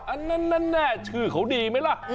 อันนั้นแน่ชื่อเขาดีไหมล่ะ